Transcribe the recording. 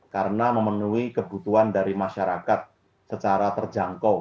karena memenuhi kebutuhan dari masyarakat secara terjangkau